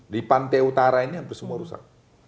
di pantai utara ini hampir semua rusak